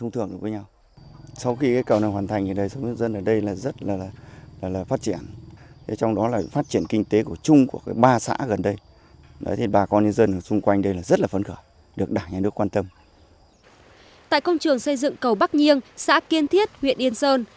tại công trường xây dựng cầu bắc nghiêng xã kiên thiết huyện yên sơn